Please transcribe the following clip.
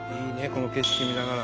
この景色見ながら。